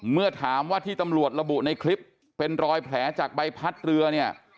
เมื่อถามว่าที่ตำรวจระบุในคลิปเป็นรอยแผลจากใบพัดเรือเนี่ย